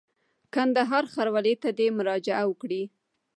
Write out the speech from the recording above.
کندهار ښاروالۍ ته دي مراجعه وکړي.